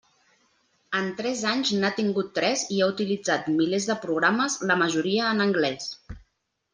En tres anys n'ha tingut tres i ha utilitzat milers de programes, la majoria en anglès.